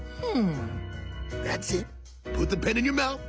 うん。